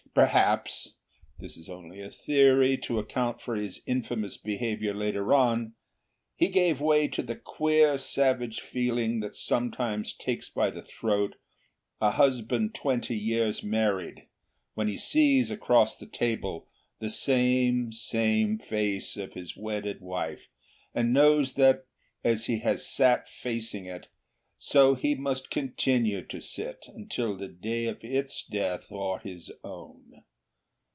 Perhaps this is only a theory to account for his infamous behaviour later on he gave way to the queer, savage feeling that sometimes takes by the throat a husband twenty years married, when he sees, across the table, the same, same face of his wedded wife, and knows that, as he has sat facing it, so must he continue to sit until the day of its death or his own.